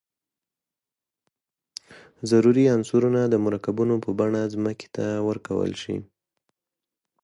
ضروري عنصرونه د مرکبونو په بڼه ځمکې ته ورکول شي.